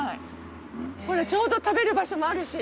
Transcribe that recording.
ほらちょうど食べる場所もあるし。